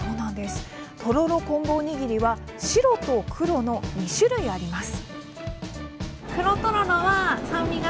とろろ昆布おにぎりは白と黒の２種類あります。